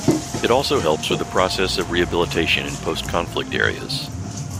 It also helps with the process of rehabilitation in post-conflict areas.